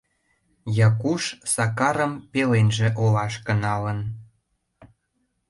Якуш Сакарым пеленже олашке налын.